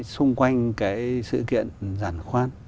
xung quanh cái sự kiện giản khoan